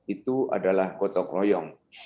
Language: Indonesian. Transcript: itu adalah gotok royong